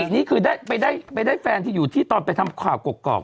นี่คือได้แฟนที่อยู่ที่ตอนไปทำข่าวกรอก